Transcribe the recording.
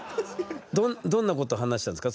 どんなこと話したんですか？